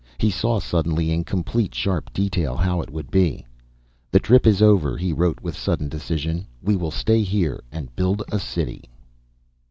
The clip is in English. He saw suddenly, in complete, sharp detail, how it would be. "The trip is over," he wrote with sudden decision. "We will stay here, and build a city."